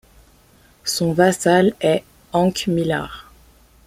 Son vassal est Hank Millar.